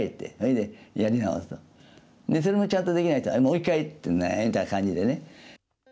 でそれもちゃんとできないと「はいもう一回」って「ええ！」みたいな感じでね。